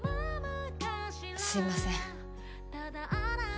すいません